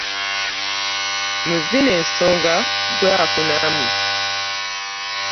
Mu zino ensonga gwe afunamu.